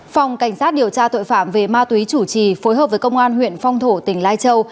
phòng cảnh sát điều tra tội phạm về ma túy chủ trì phối hợp với công an huyện phong thổ tỉnh lai châu